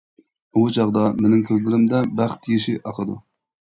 ئۇ چاغدا مېنىڭ كۆزلىرىمدە بەخت يېشى ئاقىدۇ.